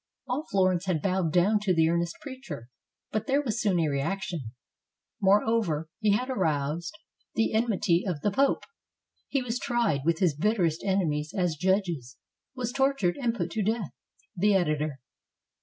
All Florence had bowed down to the earnest preacher, but there was soon a reaction. Moreover, he had aroused the 55 ITALY enmity of the Pope. He was tried, with his bitterest enemies as judges, was tortured, and put to death. The Editor.